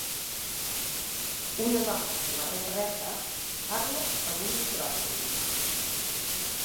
Una dona amb samarreta verda parla amb un micròfon.